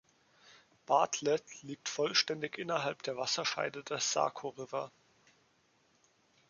Bartlett liegt vollständig innerhalb der Wasserscheide des Saco River.